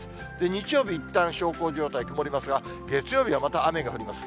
日曜日、いったん小康状態、曇りますが、月曜日はまた雨が降ります。